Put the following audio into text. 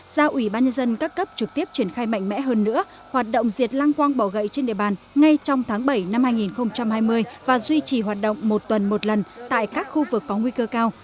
giao ủy ban nhân dân các cấp trực tiếp triển khai mạnh mẽ hơn nữa hoạt động diệt lăng quang bỏ gậy trên địa bàn ngay trong tháng bảy năm hai nghìn hai mươi và duy trì hoạt động một tuần một lần tại các khu vực có nguy cơ cao